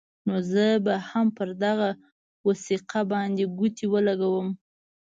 نو زه به هم پر دغه وثیقه باندې ګوتې ولګوم.